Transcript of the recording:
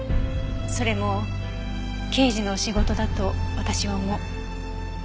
それも刑事の仕事だと私は思う。